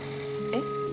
えっ？